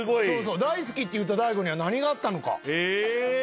「大好き」って言うた大悟には何があったのか。